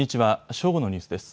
正午のニュースです。